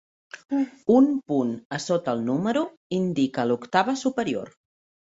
Un punt a sota del número indica l'octava superior.